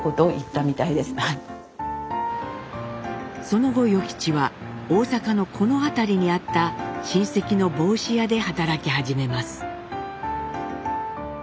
その後与吉は大阪のこの辺りにあった親戚の帽子屋で働き始めます。